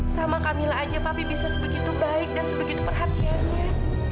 sama camilla aja tapi bisa sebegitu baik dan sebegitu perhatiannya